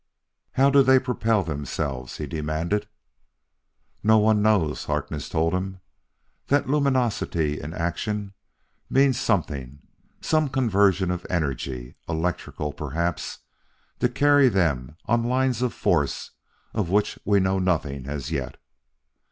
"How do they propel themselves?" he demanded. "No one knows," Harkness told him. "That luminosity in action means something some conversion of energy, electrical, perhaps, to carry them on lines of force of which we know nothing as yet.